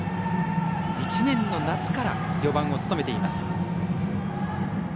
１年の夏から４番を務めています。